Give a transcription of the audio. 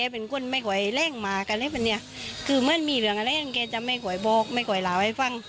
พ่อตายว่าเหมือนน้องก็ไม่แก่ว่า